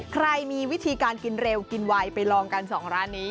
ใครมีวิธีการกินเร็วกินไวไปลองกัน๒ร้านนี้